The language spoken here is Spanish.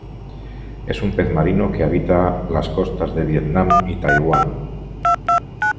Es un pez marino que habita las costas de Vietnam y Taiwán.